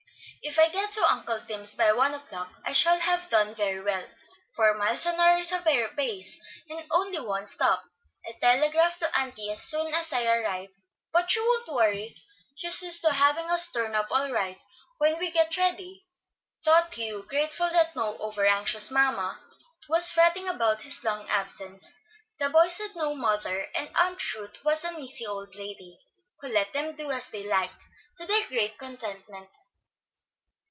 "If I get to Uncle Tim's by one o'clock, I shall have done very well. Four miles an hour is a fair pace, and only one stop. I'll telegraph to auntie as soon as I arrive; but she won't worry, she's used to having us turn up all right when we get ready," thought Hugh, grateful that no over anxious mamma was fretting about his long absence. The boys had no mother, and Aunt Ruth was an easy old lady who let them do as they liked, to their great contentment.